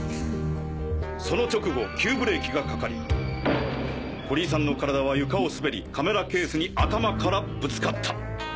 その直後急ブレーキがかかり堀井さんの体は床をすべりカメラケースに頭からぶつかった。